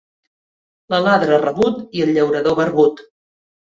L'aladre rabut i el llaurador barbut.